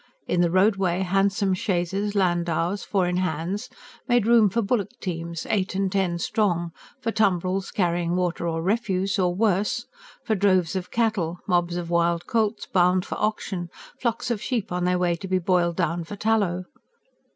In the roadway, handsome chaises, landaus, four in hands made room for bullock teams, eight and ten strong; for tumbrils carrying water or refuse or worse; for droves of cattle, mobs of wild colts bound for auction, flocks of sheep on their way to be boiled down for tallow.